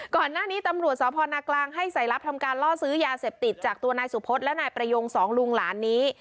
ก่อนหน้านี้ตำรวจสพนกลางให้ใส่ลับทำการล่อซื้อยาเสพติดจากตัวนายสุพธและนายประยงสองลุงหลานนี้